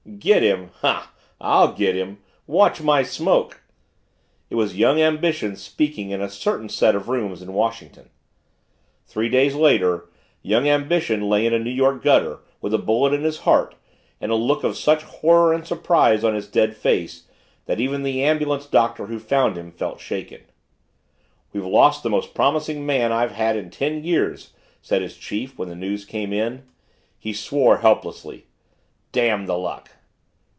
"Get him? Huh! I'll get him, watch my smoke!" It was young ambition speaking in a certain set of rooms in Washington. Three days later young ambition lay in a New York gutter with a bullet in his heart and a look of such horror and surprise on his dead face that even the ambulance Doctor who found him felt shaken. "We've lost the most promising man I've had in ten years," said his chief when the news came in. He swore helplessly, "Damn the luck!"